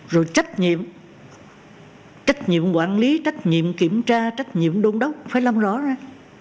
rồi trách nhiệm trách nhiệm quản lý trách nhiệm kiểm tra trách nhiệm đôn đốc phải làm rõ ra